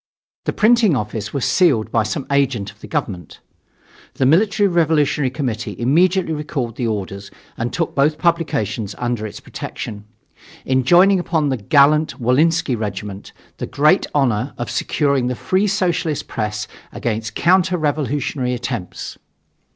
The printing office was sealed by some agent of the government. The Military Revolutionary Committee immediately recalled the orders and took both publications under its protection, enjoining upon the "gallant Wolinsky Regiment the great honor of securing the free Socialist press against counter revolutionary attempts."